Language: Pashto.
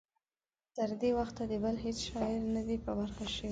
تر دې وخته د بل هیڅ شاعر نه دی په برخه شوی.